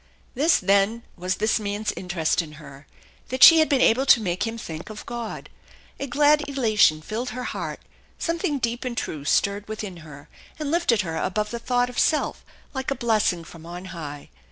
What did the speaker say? This, then, was this man's interest in her, that she had been able to make him think of God. A glad elation filled her heart, something deep and true stirred within her and lifted her above the thought of self, like a blessing from on high.